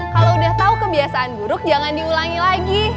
kalau udah tahu kebiasaan buruk jangan diulangi lagi